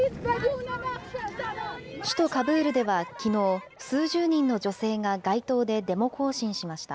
首都カブールではきのう、数十人の女性が街頭でデモ行進しました。